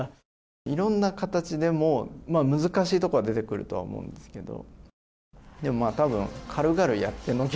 いろんな形で難しいところは出てくると思うんですけど。